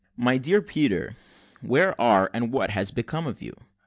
"MY DEAR PETER, Where are, and what has become of, you?